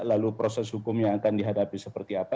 lalu proses hukumnya akan dihadapi seperti apa